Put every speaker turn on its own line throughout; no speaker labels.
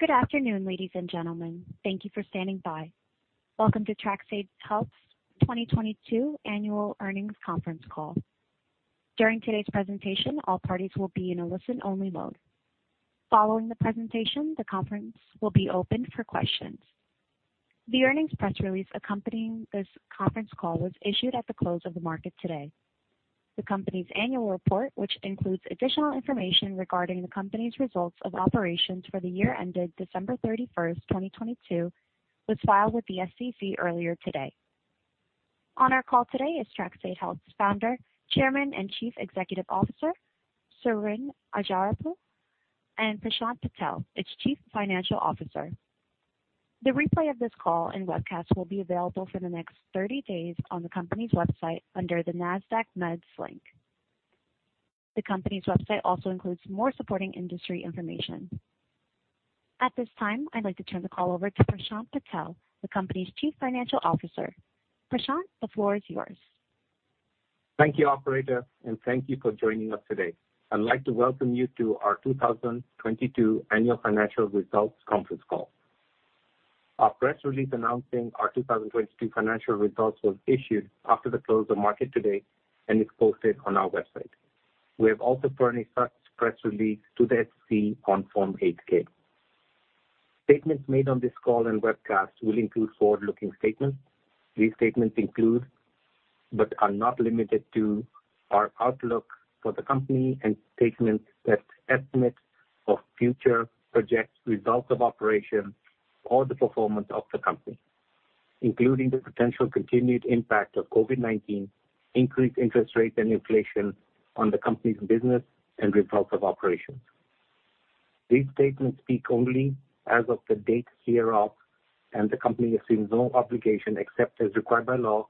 Good afternoon, ladies and gentlemen. Thank you for standing by. Welcome to TRxADE Health's 2022 annual earnings conference call. During today's presentation, all parties will be in a listen-only mode. Following the presentation, the conference will be opened for questions. The earnings press release accompanying this conference call was issued at the close of the market today. The company's annual report, which includes additional information regarding the company's results of operations for the year ended December 31st, 2022, was filed with the SEC earlier today. On our call today is TRxADE Health's Founder, Chairman, and Chief Executive Officer, Suren Ajjarapu, and Prashant Patel, its Chief Financial Officer. The replay of this call and webcast will be available for the next 30 days on the company's website under the NASDAQ: MEDS link. The company's website also includes more supporting industry information. At this time, I'd like to turn the call over to Prashant Patel, the company's Chief Financial Officer. Prashant, the floor is yours.
Thank you, operator, and thank you for joining us today. I'd like to welcome you to our 2022 annual financial results conference call. Our press release announcing our 2022 financial results was issued after the close of market today and is posted on our website. We have also furnished that press release to the SEC on Form 8-K. Statements made on this call and webcast will include forward-looking statements. These statements include, but are not limited to, our outlook for the company and statements that estimate of future projects, results of operations, or the performance of the company, including the potential continued impact of COVID-19, increased interest rates and inflation on the company's business and results of operations. These statements speak only as of the date hereof, and the company assumes no obligation, except as required by law,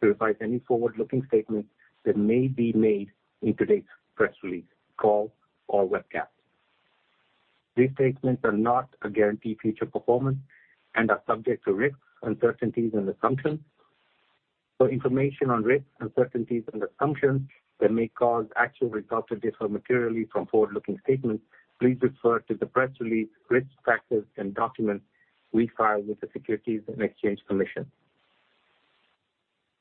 to revise any forward-looking statement that may be made in today's press release, call, or webcast. These statements are not a guarantee future performance and are subject to risks, uncertainties, and assumptions. For information on risks, uncertainties, and assumptions that may cause actual results to differ materially from forward-looking statements, please refer to the press release, risk factors, and documents we file with the Securities and Exchange Commission.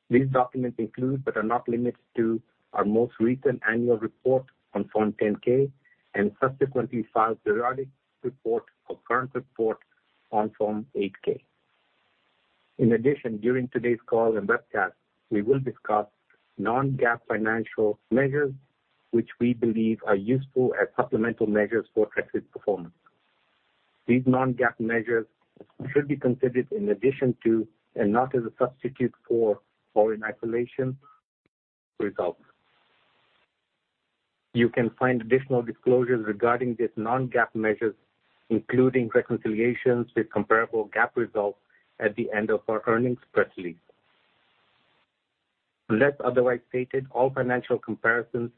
These documents include, but are not limited to, our most recent annual report on Form 10-K and subsequently filed periodic report of current report on Form 8-K. In addition, during today's call and webcast, we will discuss non-GAAP financial measures which we believe are useful as supplemental measures for TRxADE Health performance. These non-GAAP measures should be considered in addition to and not as a substitute for or in isolation results. You can find additional disclosures regarding these non-GAAP measures, including reconciliations with comparable GAAP results, at the end of our earnings press release. Unless otherwise stated, all financial comparisons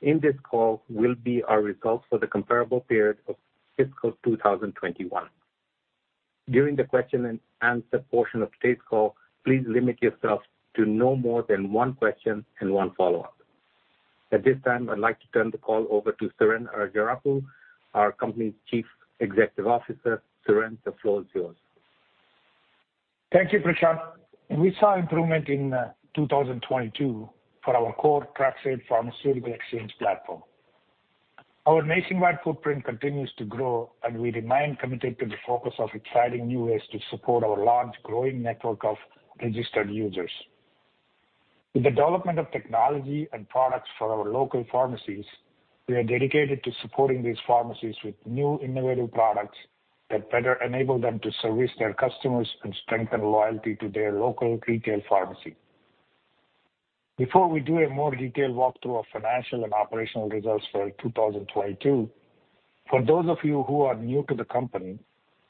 in this call will be our results for the comparable period of fiscal 2021. During the question and answer portion of today's call, please limit yourself to no more than one question and one follow-up. At this time, I'd like to turn the call over to Suren Ajjarapu, our company's Chief Executive Officer. Suren, the floor is yours.
Thank you, Prashant. We saw improvement in 2022 for our core TRxADE pharmaceutical exchange platform. Our nationwide footprint continues to grow. We remain committed to the focus of exciting new ways to support our large growing network of registered users. With the development of technology and products for our local pharmacies, we are dedicated to supporting these pharmacies with new innovative products that better enable them to service their customers and strengthen loyalty to their local retail pharmacy. Before we do a more detailed walkthrough of financial and operational results for 2022, for those of you who are new to the company,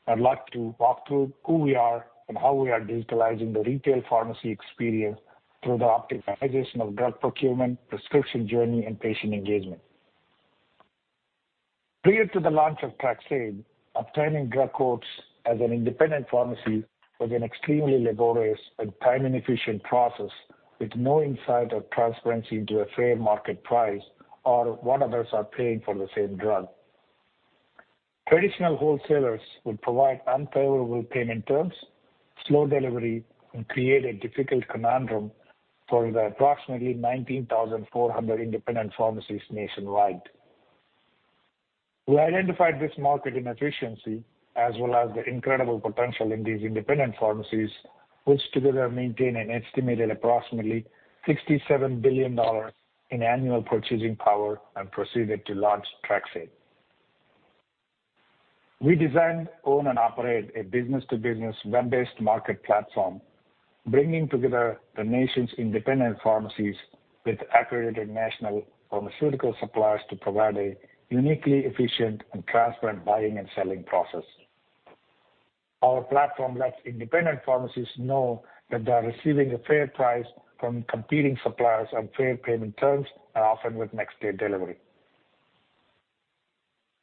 I'd like to walk through who we are and how we are digitalizing the retail pharmacy experience through the optimization of drug procurement, prescription journey, and patient engagement. Prior to the launch of TRxADE, obtaining drug quotes as an independent pharmacy was an extremely laborious and time-inefficient process with no insight or transparency into a fair market price or what others are paying for the same drug. Traditional wholesalers would provide unfavorable payment terms, slow delivery, and create a difficult conundrum for the approximately 19,400 independent pharmacies nationwide. We identified this market inefficiency as well as the incredible potential in these independent pharmacies, which together maintain an estimated approximately $67 billion in annual purchasing power and proceeded to launch TRxADE. We designed, own, and operate a business-to-business web-based market platform, bringing together the nation's independent pharmacies with accredited national pharmaceutical suppliers to provide a uniquely efficient and transparent buying and selling process. Our platform lets independent pharmacies know that they are receiving a fair price from competing suppliers on fair payment terms and often with next-day delivery.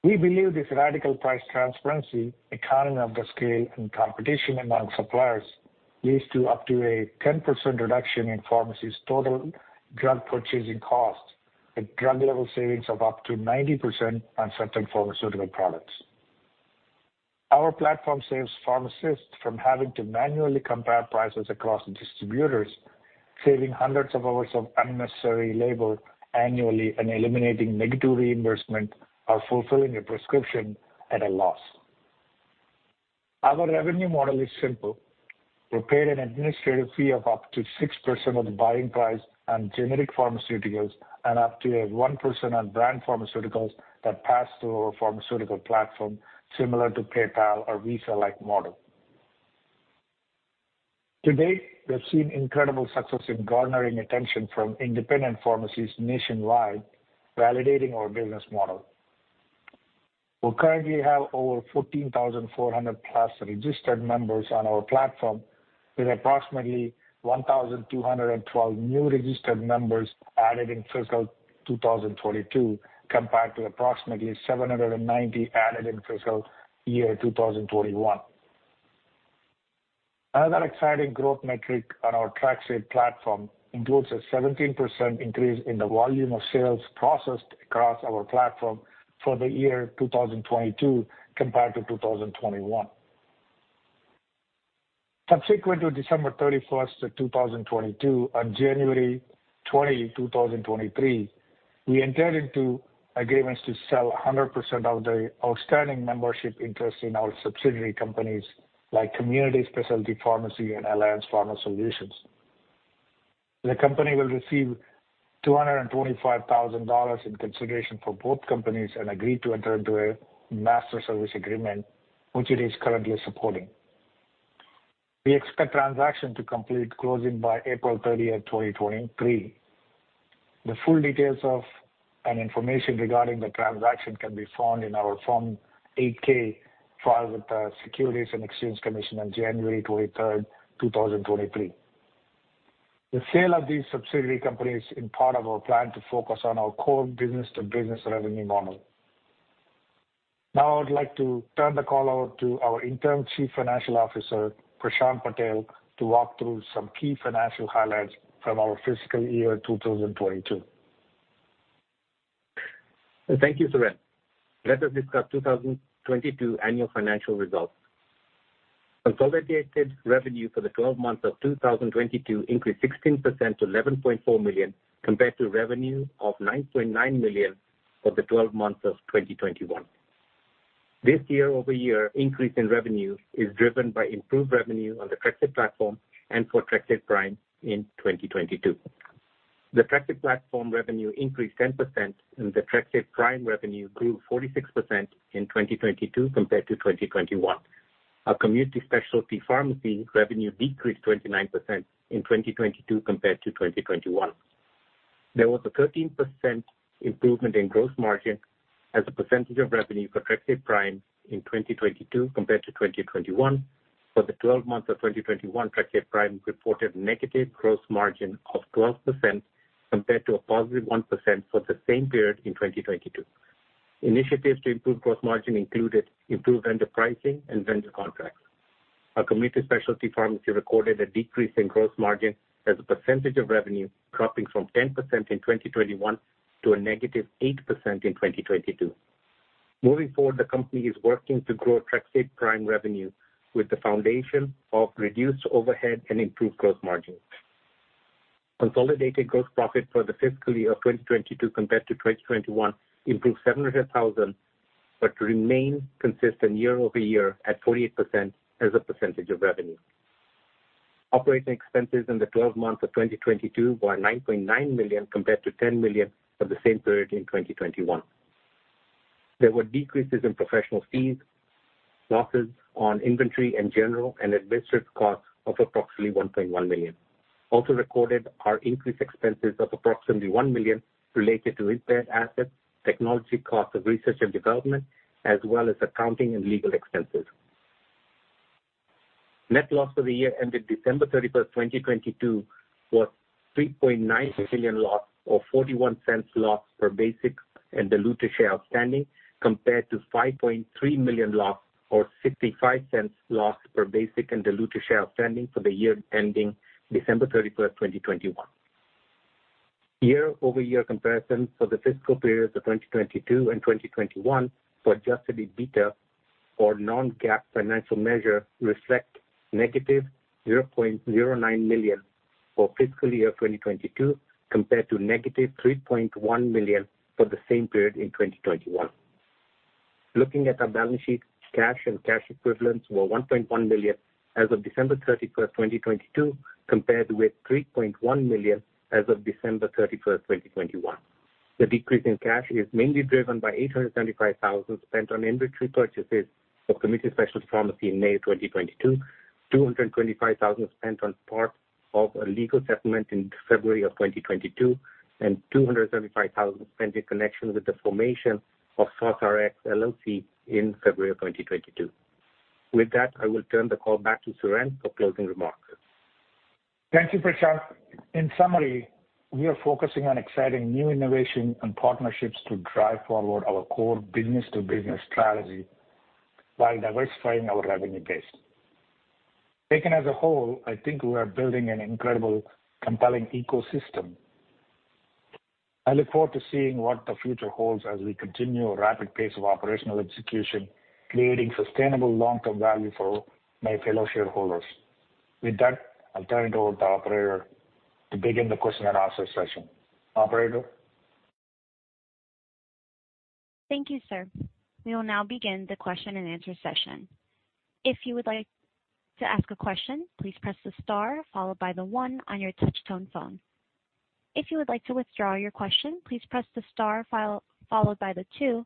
We believe this radical price transparency, economy of the scale, and competition among suppliers leads to up to a 10% reduction in pharmacy's total drug purchasing costs, with drug level savings of up to 90% on certain pharmaceutical products. Our platform saves pharmacists from having to manually compare prices across distributors, saving hundreds of hours of unnecessary labor annually and eliminating negative reimbursement or fulfilling a prescription at a loss. Our revenue model is simple. We pay an administrative fee of up to 6% of the buying price on generic pharmaceuticals and up to 1% on brand pharmaceuticals that pass through our pharmaceutical platform, similar to PayPal or Visa like model. To date, we have seen incredible success in garnering attention from independent pharmacies nationwide, validating our business model. We currently have over 14,400+ registered members on our platform, with approximately 1,212 new registered members added in fiscal 2022, compared to approximately 790 added in fiscal year 2021. Another exciting growth metric on our TRxADE platform includes a 17% increase in the volume of sales processed across our platform for the year 2022 compared to 2021. Subsequent to December 31st, 2022, on January 20, 2023, we entered into agreements to sell 100% of the outstanding membership interest in our subsidiary companies like Community Specialty Pharmacy and Alliance Pharma Solutions. The company will receive $225,000 in consideration for both companies and agreed to enter into a master service agreement, which it is currently supporting. We expect transaction to complete closing by April 30th, 2023. The full details of and information regarding the transaction can be found in our Form 8-K filed with the Securities and Exchange Commission on January 23rd, 2023. The sale of these subsidiary companies is part of our plan to focus on our core business-to-business revenue model. I would like to turn the call over to our interim Chief Financial Officer, Prashant Patel, to walk through some key financial highlights from our fiscal year 2022.
Thank you, Suren. Let us discuss 2022 annual financial results. Consolidated revenue for the 12 months of 2022 increased 16% to $11.4 million, compared to revenue of $9.9 million for the 12 months of 2021. This year-over-year increase in revenue is driven by improved revenue on the TRxADE platform and for TRxADE Prime in 2022. The TRxADE platform revenue increased 10% and the TRxADE Prime revenue grew 46% in 2022 compared to 2021. Our Community Specialty Pharmacy revenue decreased 29% in 2022 compared to 2021. There was a 13% improvement in gross margin as a percentage of revenue for TRxADE Prime in 2022 compared to 2021. For the 12 months of 2021, TRxADE Prime reported negative gross margin of 12% compared to a positive 1% for the same period in 2022. Initiatives to improve gross margin included improved vendor pricing and vendor contracts. Our Community Specialty Pharmacy recorded a decrease in gross margin as a percentage of revenue, dropping from 10% in 2021 to a negative 8% in 2022. Moving forward, the company is working to grow TRxADE Prime revenue with the foundation of reduced overhead and improved gross margin. Consolidated gross profit for the fiscal year of 2022 compared to 2021 improved $700,000, but remained consistent year-over-year at 48% as a percentage of revenue. Operating expenses in the 12 months of 2022 were $9.9 million compared to $10 million for the same period in 2021. There were decreases in professional fees, losses on inventory and general and administrative costs of approximately $1.1 million. Also recorded are increased expenses of approximately $1 million related to impaired assets, technology costs of research and development, as well as accounting and legal expenses. Net loss for the year ended December 31, 2022, was $3.9 million loss or $0.41 loss per basic and diluted share outstanding, compared to $5.3 million loss or $0.65 loss per basic and diluted share outstanding for the year ending December 31, 2021. Year-over-year comparison for the fiscal periods of 2022 and 2021 for adjusted EBITDA or non-GAAP financial measure reflect -$0.09 million for fiscal year 2022 compared to -$3.1 million for the same period in 2021. Looking at our balance sheet, cash and cash equivalents were $1.1 million as of December 31, 2022, compared with $3.1 million as of December 31, 2021. The decrease in cash is mainly driven by $875,000 spent on inventory purchases of Community Specialty Pharmacy in May 2022, $225,000 spent on part of a legal settlement in February 2022, and $275,000 spent in connection with the formation of SourceRx LLC in February 2022. With that, I will turn the call back to Suren for closing remarks.
Thank you, Prashant. In summary, we are focusing on exciting new innovation and partnerships to drive forward our core business to business strategy while diversifying our revenue base. Taken as a whole, I think we are building an incredible, compelling ecosystem. I look forward to seeing what the future holds as we continue a rapid pace of operational execution, creating sustainable long-term value for my fellow shareholders. With that, I'll turn it over to operator to begin the question and answer session. Operator?
Thank you, sir. We will now begin the question and answer session. If you would like to ask a question, please press the star followed by the one on your touch tone phone. If you would like to withdraw your question, please press the star followed by the two,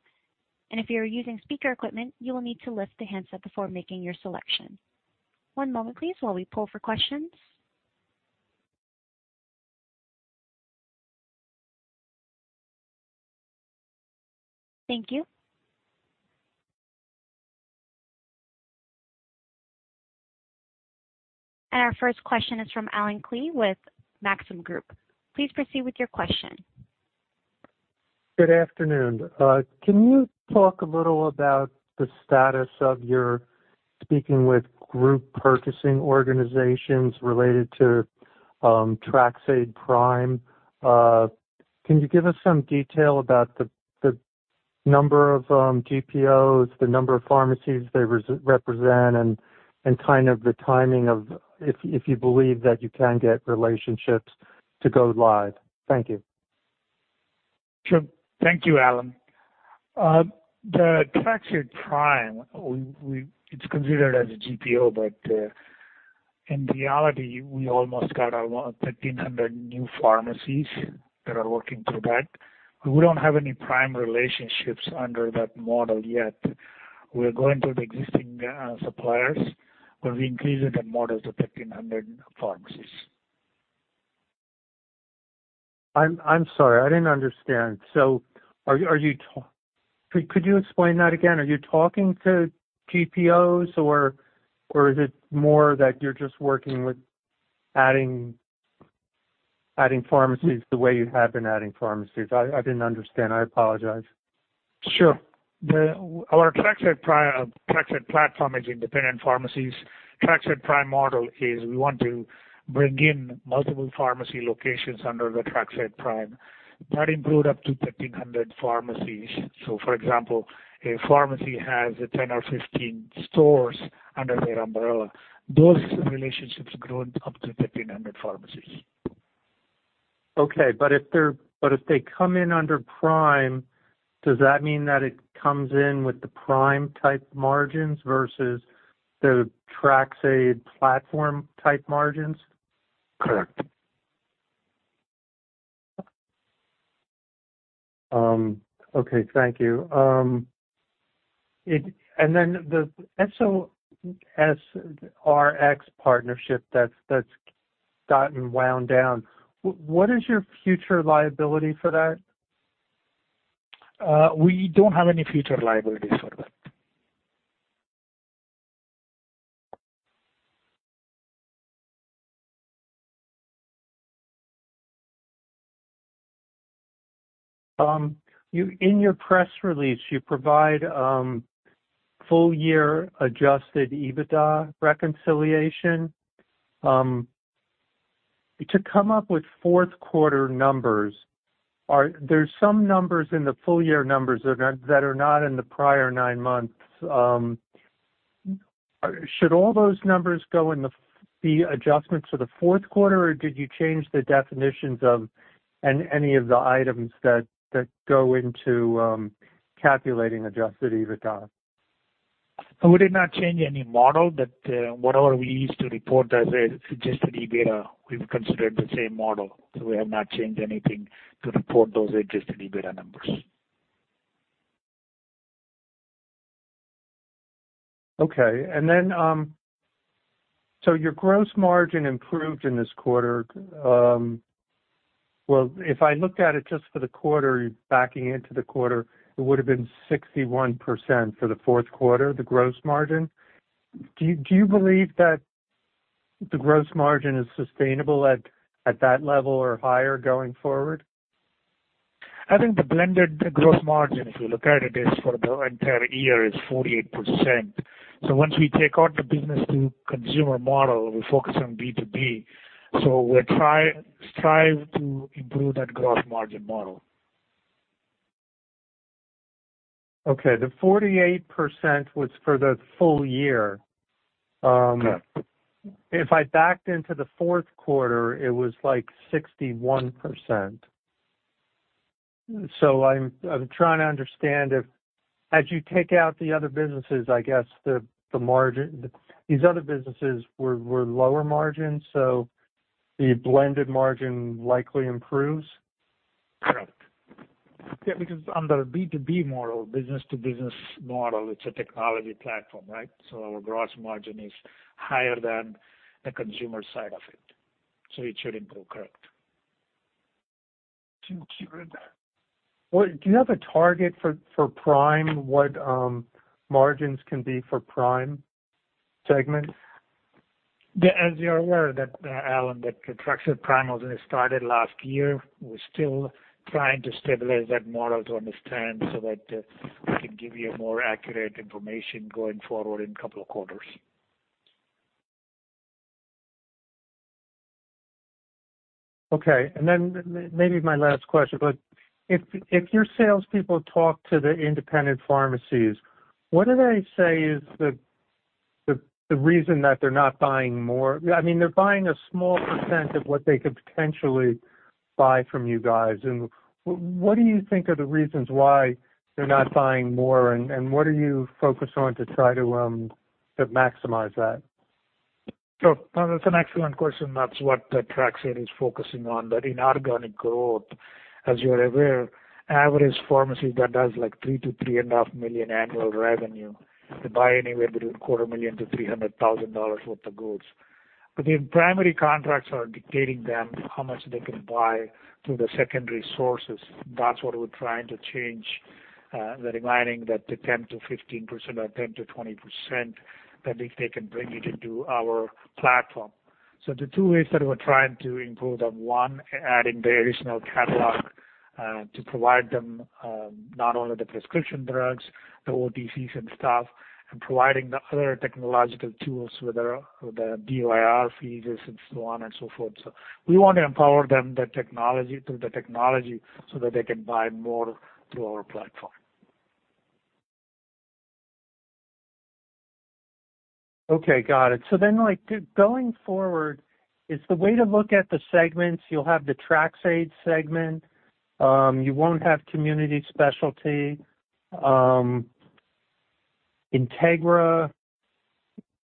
and if you are using speaker equipment, you will need to lift the handset before making your selection. One moment please while we pull for questions. Thank you. Our first question is from Allen Klee with Maxim Group. Please proceed with your question.
Good afternoon. Can you talk a little about the status of your speaking with group purchasing organizations related to TRxADE Prime? Can you give us some detail about the number of GPOs, the number of pharmacies they represent and kind of the timing of if you believe that you can get relationships to go live. Thank you.
Sure. Thank you, Allen. The TRxADE Prime, we, it's considered as a GPO, but in reality we almost got our 1,300 new pharmacies that are working through that. We don't have any Prime relationships under that model yet. We are going through the existing suppliers, but we increased that model to 1,300 pharmacies.
I'm sorry, I didn't understand. Are you talking to GPOs or is it more that you're just working with adding pharmacies the way you have been adding pharmacies? I didn't understand. I apologize.
Our TRxADE Prime, TRxADE platform is independent pharmacies. TRxADE Prime model is we want to bring in multiple pharmacy locations under the TRxADE Prime. That include up to 1,300 pharmacies. For example, a pharmacy has 10 or 15 stores under their umbrella. Those relationships grown up to 1,300 pharmacies.
Okay. If they come in under Prime, does that mean that it comes in with the Prime type margins versus the TRxADE platform type margins?
Correct.
Okay. Thank you. The SourceRx LLC partnership that's gotten wound down. What is your future liability for that?
We don't have any future liabilities for that.
You, in your press release, you provide, full year adjusted EBITDA reconciliation. To come up with Q4 numbers, are there some numbers in the full year numbers that are not in the prior four months? Should all those numbers go in the adjustments for the Q4, or did you change the definitions of any of the items that go into calculating adjusted EBITDA?
We did not change any model, but, whatever we used to report as adjusted EBITDA, we've considered the same model. We have not changed anything to report those adjusted EBITDA numbers.
Okay. Then, your gross margin improved in this quarter. Well, if I looked at it just for the quarter, backing into the quarter, it would've been 61% for the Q4, the gross margin. Do you believe that the gross margin is sustainable at that level or higher going forward?
I think the blended gross margin, if you look at it, is for the entire year, is 48%. Once we take out the business to consumer model, we focus on B2B. We'll try, strive to improve that gross margin model.
Okay. The 48% was for the full year.
Yes.
If I backed into the Q4, it was like 61%. I'm trying to understand if, as you take out the other businesses, I guess the margin, these other businesses were lower margin, so the blended margin likely improves?
Correct. Yeah, because under B2B model, business to business model, it's a technology platform, right? Our gross margin is higher than the consumer side of it, so it should improve. Correct. To cure that.
Well, do you have a target for Prime? What margins can be for Prime segment?
As you're aware that, Allen, that construction Prime was started last year. We're still trying to stabilize that model to understand so that we can give you a more accurate information going forward in a couple of quarters.
Okay. maybe my last question. If your salespeople talk to the independent pharmacies, what do they say is the reason that they're not buying more? I mean, they're buying a small percent of what they could potentially buy from you guys. What do you think are the reasons why they're not buying more, and what are you focused on to try to maximize that?
Sure. No, that's an excellent question. That's what the TRxADE is focusing on. In organic growth, as you're aware, average pharmacy that does like $3 million-$3.5 million annual revenue, they buy anywhere between quarter million dollars to $300,000 worth of goods. The primary contracts are dictating them how much they can buy through the secondary sources. That's what we're trying to change, the remaining that the 10%-15% or 10%-20% that they can bring it into our platform. The two ways that we're trying to improve them, one, adding the additional catalog, to provide them, not only the prescription drugs, the OTCs and stuff, and providing the other technological tools, whether the DIR fees and so on and so forth. we want to empower them through the technology so that they can buy more through our platform.
Okay, got it. Like, going forward, is the way to look at the segments, you'll have the TRxADE segment. You won't have Community Specialty. Integra,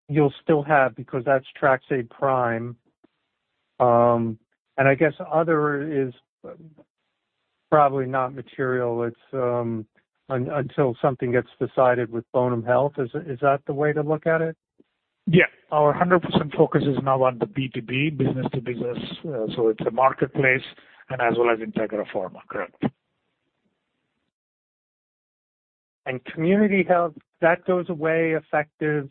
you'll still have because that's TRxADE Prime. I guess other is probably not material. It's until something gets decided with Bonum Health. Is that the way to look at it?
Our 100% focus is now on the B2B, business to business, so it's a marketplace and as well as Integra Pharma, correct.
Community Health, that goes away effective,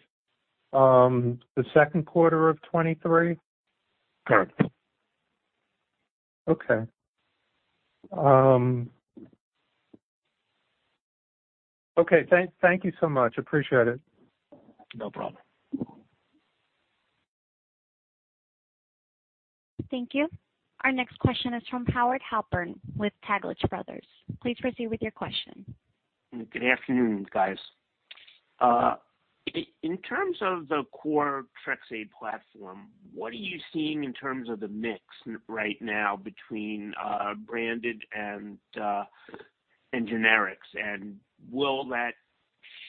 the Q2 of 2023?
Correct.
Okay. Okay, thank you so much. Appreciate it.
No problem.
Thank you. Our next question is from Howard Halpern with Taglich Brothers. Please proceed with your question.
Good afternoon, guys. In terms of the core TRxADE platform, what are you seeing in terms of the mix right now between branded and generics? Will that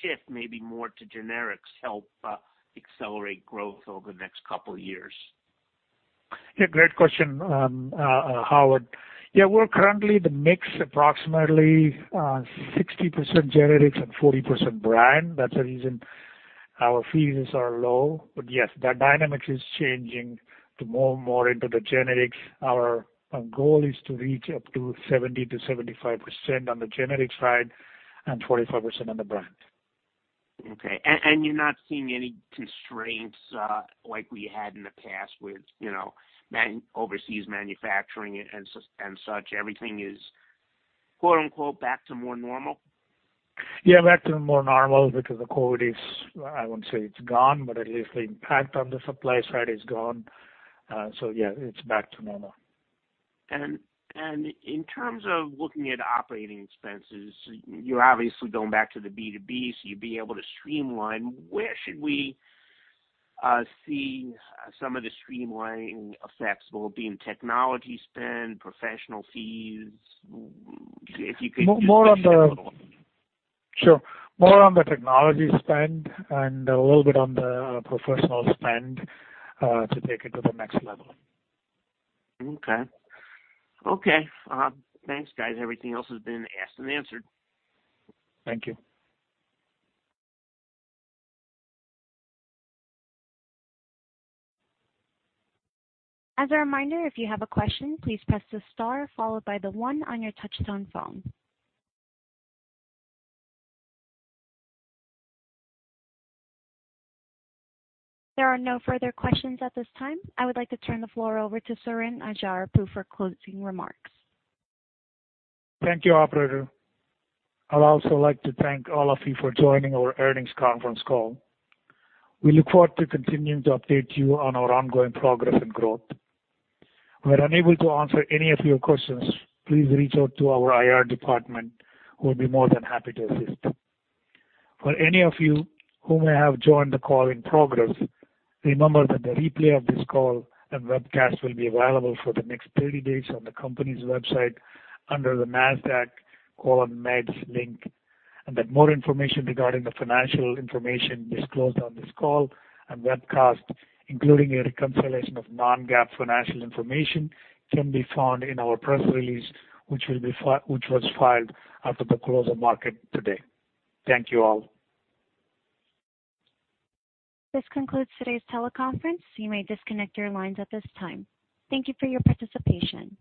shift maybe more to generics help accelerate growth over the next couple of years?
Great question, Howard. We're currently the mix approximately, 60% generics and 40% brand. That's the reason our fees are low. Yes, that dynamic is changing to more and more into the generics. Our goal is to reach up to 70%-75% on the generic side and 25% on the brand.
Okay. You're not seeing any constraints, like we had in the past with, you know, overseas manufacturing and such. Everything is quote, unquote, "Back to more normal"?
Yeah, back to more normal because the COVID is, I won't say it's gone, but at least the impact on the supply side is gone. Yeah, it's back to normal.
In terms of looking at operating expenses, you're obviously going back to the B2B, so you'd be able to streamline. Where should we see some of the streamlining effects? Will it be in technology spend, professional fees? If you could just share a little.
More on the. Sure. More on the technology spend and a little bit on the professional spend to take it to the next level.
Okay. Okay. Thanks, guys. Everything else has been asked and answered.
Thank you.
As a reminder, if you have a question, please press the star followed by the one on your touchtone phone. There are no further questions at this time. I would like to turn the floor over to Suren Ajjarapu for closing remarks.
Thank you, operator. I'd also like to thank all of you for joining our earnings conference call. We look forward to continuing to update you on our ongoing progress and growth. If we're unable to answer any of your questions, please reach out to our IR department who will be more than happy to assist. For any of you who may have joined the call in progress, remember that the replay of this call and webcast will be available for the next 30 days on the company's website under the NASDAQ:MEDS link. That more information regarding the financial information disclosed on this call and webcast, including a reconciliation of non-GAAP financial information, can be found in our press release, which was filed after the close of market today. Thank you all.
This concludes today's teleconference. You may disconnect your lines at this time. Thank you for your participation.